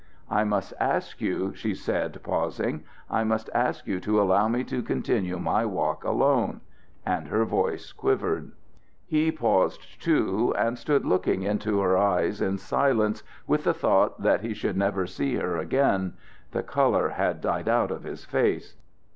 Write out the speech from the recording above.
"I must ask you," she said, pausing "I must ask you to allow me to continue my walk alone;" and her voice quivered. He paused, too, and stood looking into her eyes in silence with the thought that he should never see her again. The color had died out of his face.